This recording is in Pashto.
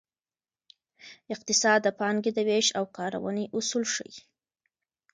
اقتصاد د پانګې د ویش او کارونې اصول ښيي.